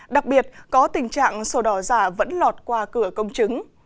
đặc biệt có tình trạng sổ đỏ giả vẫn lọt qua cửa công chứng